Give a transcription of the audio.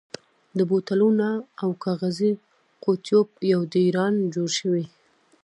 د بوتلونو او کاغذي قوتیو یو ډېران جوړ شوی.